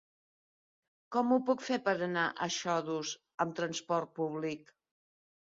Com ho puc fer per anar a Xodos amb transport públic?